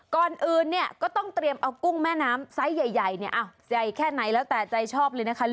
ก่อนอื่นก็ต้องเตรียมเอากุ้งแม่น้ำไซส์ใหญ่แค่ไหนแล้วแต่ใจชอบเลยนะคะ